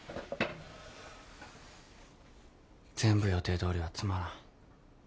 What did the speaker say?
全部予定どおりはつまらん。